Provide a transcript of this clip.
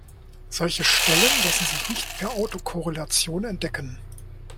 Solche Stellen lassen sich nicht per Autokorrelation entdecken.